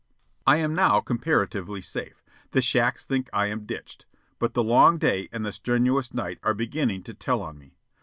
I am now comparatively safe. The shacks think I am ditched. But the long day and the strenuous night are beginning to tell on me.